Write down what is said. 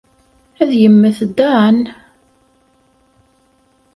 Ad yemmet Dan?